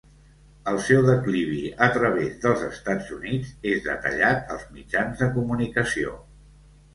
El seu declivi a través dels Estats Units és detallat als mitjans de comunicació.